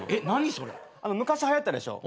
昔はやったでしょ？